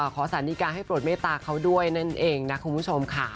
ขอสารดีกาให้โปรดเมตตาเขาด้วยนั่นเองนะคุณผู้ชมค่ะ